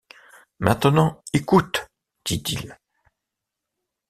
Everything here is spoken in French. Maintenant écoute, dit-il.